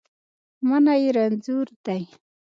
منی رنځور دی